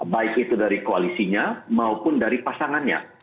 baik itu dari koalisinya maupun dari pasangannya